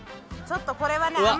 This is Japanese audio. ちょっとこれはね。